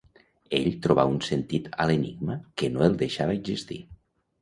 Ell trobà un sentit a l'enigma que no el deixava existir.